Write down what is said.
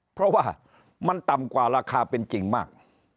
เพราะว่ามันต่ำกว่าราคาเป็นจริงมาก